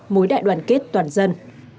mối đại đoàn kết toàn dân